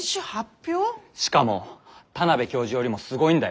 しかも田邊教授よりもすごいんだよ。